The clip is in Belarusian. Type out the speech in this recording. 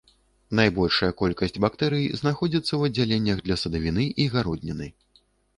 Найбольшая колькасць бактэрый знаходзіцца ў аддзяленнях для садавіны і гародніны.